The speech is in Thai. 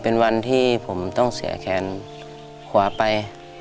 เป็นวันที่ผมต้องเสียแขนขวาไป